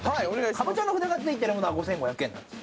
かぼちゃの札がついてるものは５，５００円なんです。